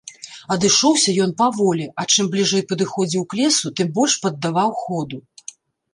Адышоўся ён паволі, а чым бліжэй падыходзіў к лесу, тым больш паддаваў ходу.